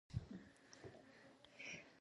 د خیبر لاره د سوداګرۍ لپاره ده.